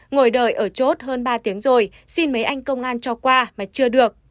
ngồi đợi ở chốt hơn ba tiếng rồi xin mấy anh công an cho qua mà chưa được